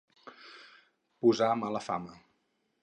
Posar mala fama.